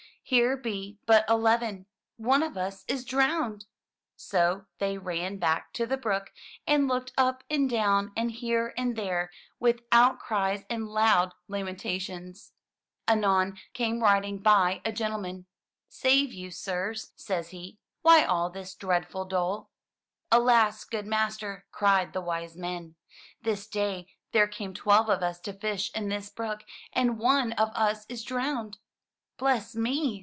"Here be but eleven. One of us is drowned!" So they ran back to the brook, and looked up and down, and here and there with outcries and loud lamentations. Anon, came riding by a gentleman. "Save you, sirs," says he. "Why all this dreadful dole?" "Alas, good master," cried the wise men. "This day there came twelve of us to fish in this brook, and one of us is drowned!" "Bless me!"